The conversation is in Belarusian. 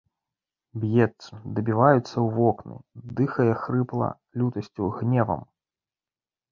Б'ецца, дабіваецца ў вокны, дыхае хрыпла лютасцю, гневам.